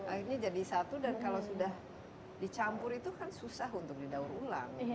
akhirnya jadi satu dan kalau sudah dicampur itu kan susah untuk didaur ulang